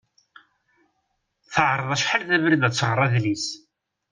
Teɛreḍ acḥal d abrid ad tɣer adlis.